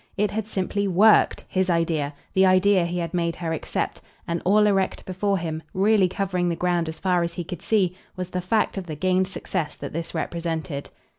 It had simply WORKED, his idea, the idea he had made her accept; and all erect before him, really covering the ground as far as he could see, was the fact of the gained success that this represented.